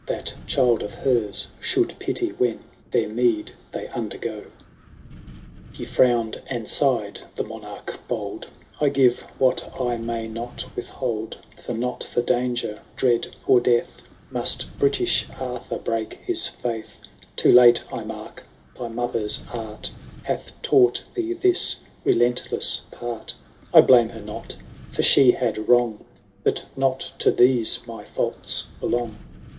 That child of hers should pity, when Their meed they undergo/ XXII. ^ He finown^d and sighed, the Monarch bold :—* I give— what I may not withhold ; For, not for danger, dread, or death. Must British Arthur break his fiuth. Too late I mark, thy mother*s art Hath taught thee this relentless part I blame her not, for she had wrong. But not to these my ffiults belong.